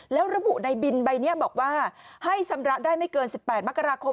แล้วระบุในบินใบนี้บอกว่าให้ชำระได้ไม่เกิน๑๘มกราคม